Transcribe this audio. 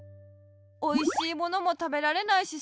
おいしいものもたべられないしさ